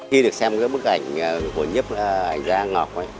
khi được xem bức ảnh của nhiếp ảnh ra vũ quang ngọc